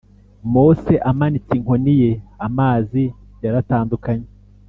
mose amanitse inkoni ye, amazi yaratandukanye,